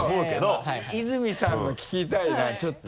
これちょっと泉さんの聞きたいなちょっと。